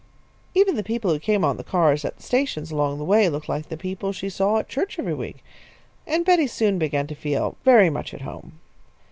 Even the people who came on the cars at the stations along the way looked like the people she saw at church every week, and Betty soon began to feel very much at home.